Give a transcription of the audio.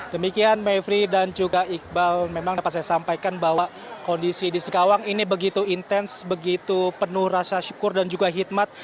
demikian mevri dan juga iqbal memang dapat saya sampaikan bahwa kondisi di singkawang ini begitu intens begitu penuh rasa syukur dan juga hikmat